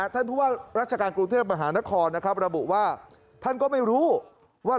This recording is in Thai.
ท่านพูดว่าราชการกรุงเที่ยวมหานครระบุว่าท่านก็ไม่รู้ว่า